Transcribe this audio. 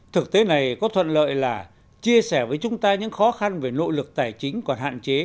thực tế này có thuận lợi là chia sẻ với chúng ta những khó khăn về nội lực tài chính còn hạn chế